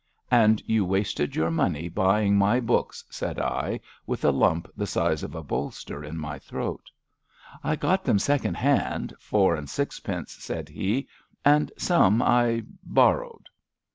And you wasted your money buying my books," said I with a lump the size of a bolster in my throat. *^ I got them second hand, four and sixpence," said he, and some I borrowed."